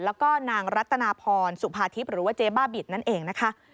แล้วก็นางรัตนาพรสุภาทิพย์หรือว่าเจ๊บ้าบินนั่นเองนะคะ